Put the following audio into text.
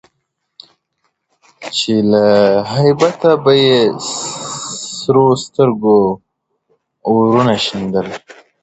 چي له هیبته به یې سرو سترگو اورونه شیندل.